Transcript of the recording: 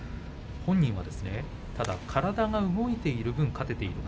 本人はただ体が動いてる分、勝てている。